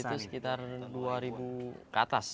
itu sekitar dua ribu ke atas